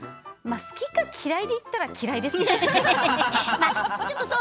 好きか嫌いで言ったら嫌いですね。